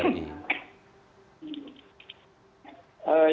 baik pak ismail